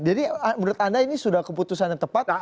jadi menurut anda ini sudah keputusan yang tepat